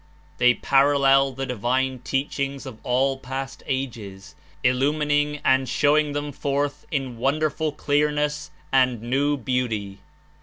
They parallel the divine teach ings of all past ages, illumining and showing them forth In wonderful clearness and new beauty.